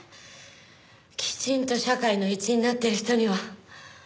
きちんと社会の一員になってる人には。